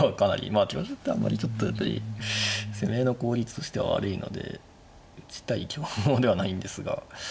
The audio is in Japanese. まあ香車ってあんまりちょっと攻めの効率としては悪いので打ちたい香ではないんですが。